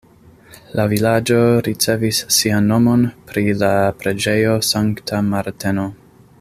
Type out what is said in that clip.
La vilaĝo ricevis sian nomon pri la preĝejo Sankta Marteno.